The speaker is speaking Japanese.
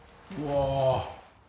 うわ！